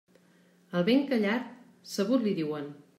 Al ben callat, sabut li diuen.